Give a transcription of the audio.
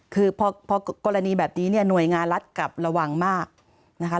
คือพอกรณีแบบนี้เนี่ยหน่วยงานรัฐกลับระวังมากนะคะ